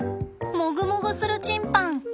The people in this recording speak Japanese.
もぐもぐするチンパン！